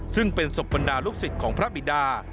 ซึ่งเป็นศพบรรดาลูกศิษย์ของพระบิดา